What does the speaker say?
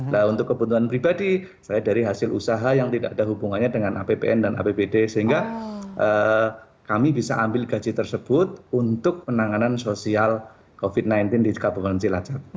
nah untuk kebutuhan pribadi saya dari hasil usaha yang tidak ada hubungannya dengan apbn dan apbd sehingga kami bisa ambil gaji tersebut untuk penanganan sosial covid sembilan belas di kabupaten cilacap